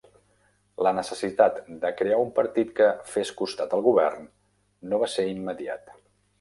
La necessitat de crear un partit que fes costat al Govern no va ser immediat.